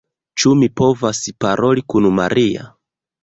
Ĉu mi povas paroli kun Maria?